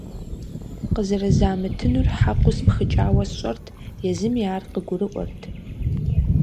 Къызэрызамытынур хьэкъыу спхыкӀауэ сщӀэрт, езыми ар къыгурыӀуэрт.